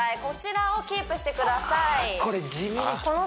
こちらをキープしてくださいあ